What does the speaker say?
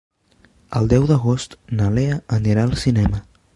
El deu d'agost na Lea anirà al cinema.